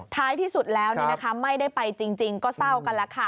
ท้ายที่สุดแล้วไม่ได้ไปจริงก็เศร้ากันแล้วค่ะ